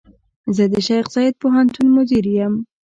زۀ د شيخ زايد پوهنتون مدير يم.